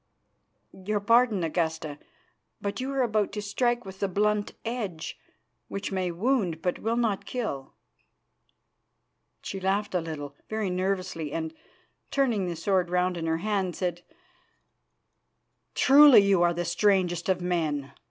"Your pardon, Augusta, but you are about to strike with the blunt edge, which may wound but will not kill." She laughed a little, very nervously, and, turning the sword round in her hand, said: "Truly, you are the strangest of men!